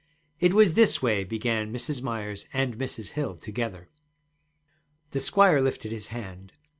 'It was this way,' began Mrs. Myers and Mrs. Hill, together. The squire lifted his hand.